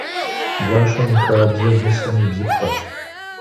Гуащэм и хабзэр нысэм и бзыпхъэщ.